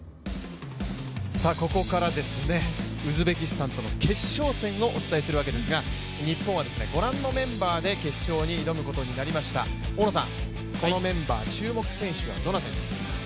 ここからウズベキスタンとの決勝戦をお伝えするわけですが日本はご覧のメンバーで決勝に挑むことになりました大野さん、注目選手はどなたになりますか？